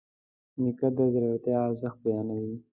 نیکه د زړورتیا ارزښت بیانوي.